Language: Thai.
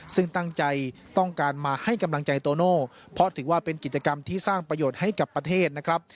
ซึ่งตั้งใจต้องการมาให้กำลังใจโตโน่เพราะถือว่าเป็นกิจกรรมที่สร้างประโยชน์ให้กับประเทศนะครับ